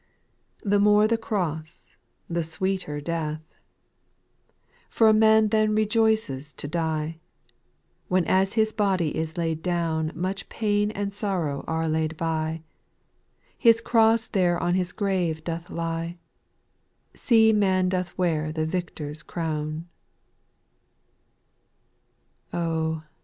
) 6. The more the cross, the sweeter death ;— For man rejoices then to die ; When as his body is laid down Much pain and sorrow are laid by ; His cross there on his grave doth lie — See man doth wear the victor's crown I 7. Oh